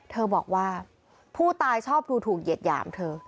บอกว่าผู้ตายชอบดูถูกเหยียดหยามเธอ